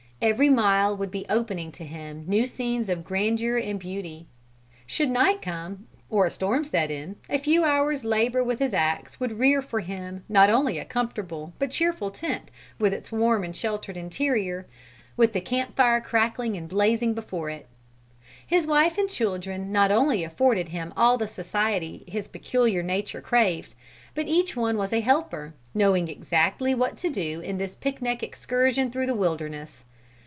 Every mile would be opening to him new scenes of grandeur and beauty. Should night come, or a storm set in, a few hours' labor with his axe would rear for him not only a comfortable, but a cheerful tent with its warm and sheltered interior, with the camp fire crackling and blazing before it. His wife and his children not only afforded him all the society his peculiar nature craved, but each one was a helper, knowing exactly what to do in this picnic excursion through the wilderness.